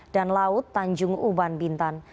dan laut tanjung uban bintan